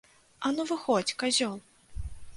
А ну выходзь, казёл!